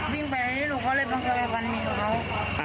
บิงไปเลยหนูเค้าเลยต้องใช้มีดไหล่ฟันมีดเค้า